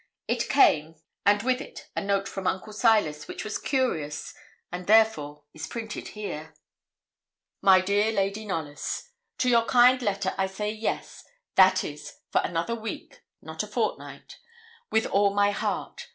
It came, and with it a note from Uncle Silas, which was curious, and, therefore, is printed here: 'MY DEAR LADY KNOLLYS, To your kind letter I say yes (that is, for another week, not a fortnight), with all my heart.